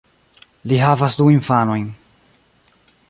Li havas du infanojn.